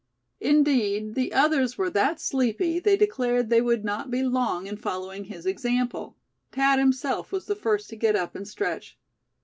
Indeed, the others were that sleepy they declared they would not be long in following his example. Thad himself was the first to get up and stretch.